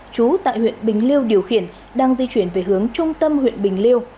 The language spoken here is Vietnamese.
chú tại huyện bình liêu điều khiển đang di chuyển về hướng trung tâm huyện bình liêu